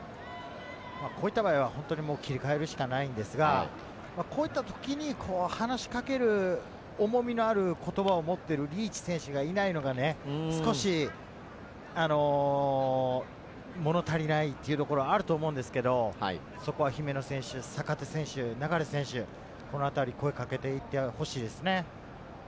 こういった場合は切り替えるしかないんですが、こういったときに話しかける、重みのある言葉を持っているリーチ選手がいないのがね、少し物足りないというところがあると思うんですけれど、そこは姫野選手、坂手選手、流選手、このあたりが声をかけていってほしいですね。